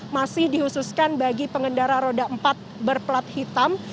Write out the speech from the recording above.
masih dihususkan bagi pengendara roda empat berplat hitam